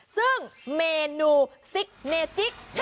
ซึ่งเมนูเซอร์เนจิก